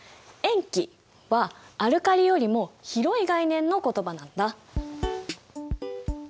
塩基はアルカリよりも広い概念の言葉なんだ。